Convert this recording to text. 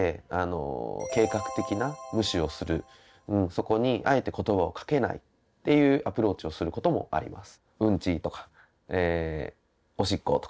そこはあえてっていうアプローチをすることもあります。